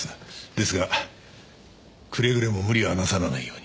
ですがくれぐれも無理はなさらないように。